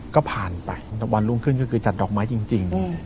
ก็ผ่านไปวันรุ่งขึ้นก็คือจัดดอกไม้จริง